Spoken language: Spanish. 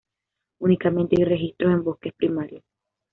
Únicamente hay registros en bosques primarios.